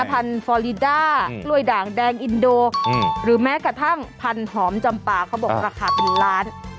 พันธุ์ฟอลิด้ากล้วยด่างแดงอินโดหรือแม้กระทั่งพันธุ์หอมจำปลาเขาบอกราคาเป็นล้าน